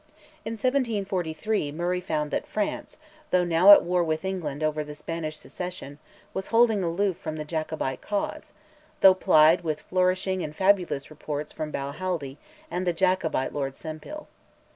In 1743 Murray found that France, though now at war with England over the Spanish Succession, was holding aloof from the Jacobite cause, though plied with flourishing and fabulous reports from Balhaldy and the Jacobite Lord Sempill.